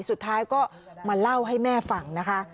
สุดท้ายก็มาเล่าให้แม่ฟังนะคะ